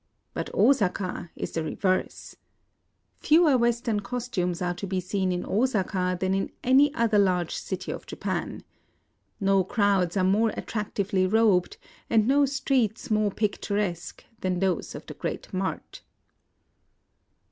But Osaka is the reverse. Fewer Western costumes are to be seen in Osaka than in any other large city of Japan. No crowds are more attractively robed, and no streets more picturesque, than those of the great mart.